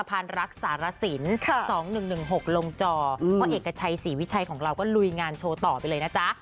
เพราะเอกกระใช่ศรีวิชัยหลุยนโจรไปเลยนะ